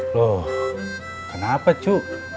loh kenapa cu